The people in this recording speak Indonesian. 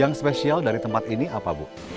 yang spesial dari tempat ini apa bu